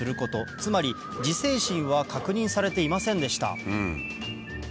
つまり自制心は確認されていませんでした